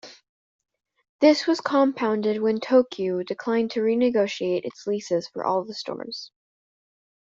This was compounded when Tokyu declined to renegotiate its leases for all the stores.